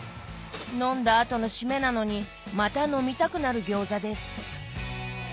飲んだ後の締めなのにまた飲みたくなる餃子です。